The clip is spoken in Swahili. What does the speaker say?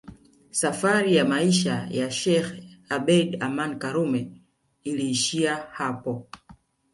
Safari ya maisha ya sheikh Abeid Aman Karume iliishia hapo